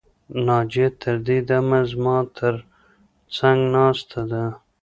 ناجیه تر دې دمه زما تر څنګ ناسته ده